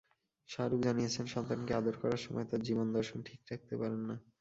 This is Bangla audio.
শাহরুখ জানিয়েছেন, সন্তানকে আদর করার সময় তাঁর জীবনদর্শন ঠিক রাখতে পারেন না।